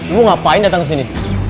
lo ngapain datang kesini